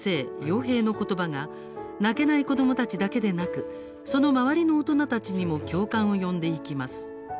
陽平の言葉が泣けない子どもたちだけでなくその周りの大人たちにも共感を呼んでいきます。